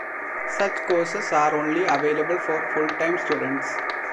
Such courses are only available for full-time students.